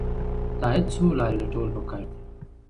د عاید څو لارې لټول پکار دي.